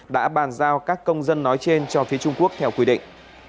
đã bàn giao các công dân nói trên cho phía trung quốc theo quy định